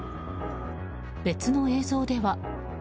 別の映像では。